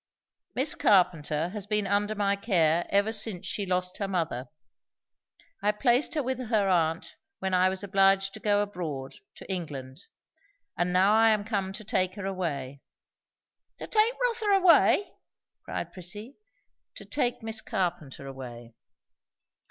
"Miss Carpenter has been under my care ever since she lost her mother. I placed her with her aunt when I was obliged to go abroad, to England; and now I am come to take her away." "To take Rotha away?" cried Prissy. "To take Miss Carpenter away."